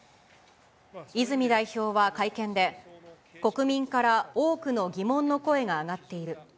泉代表は会見で、国民から多くの疑問の声が上がっている。